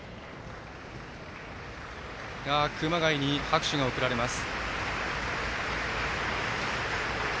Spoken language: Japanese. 熊谷に拍手が送られます。